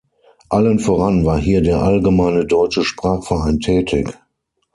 Allen voran war hier der Allgemeine Deutsche Sprachverein tätig.